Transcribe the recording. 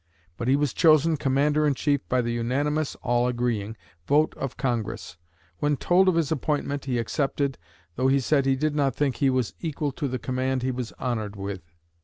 But he was chosen Commander in Chief by the unanimous (all agreeing) vote of Congress. When told of his appointment, he accepted, though he said he did not think he was "equal to the command he was honored with."